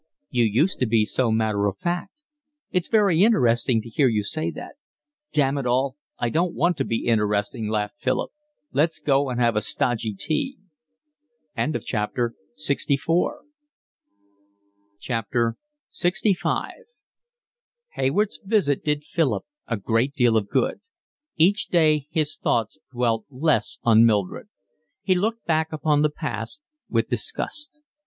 "You used to be so matter of fact. It's very interesting to hear you say that." "Damn it all, I don't want to be interesting," laughed Philip. "Let's go and have a stodgy tea." LXV Hayward's visit did Philip a great deal of good. Each day his thoughts dwelt less on Mildred. He looked back upon the past with disgust.